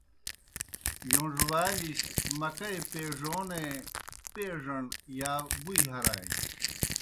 یوݩڙوالِس مکئی پیڙونے پیڙَݨ یا بُئی ہرانیْ۔